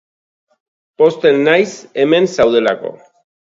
Pozten naiz hemen zaudelako.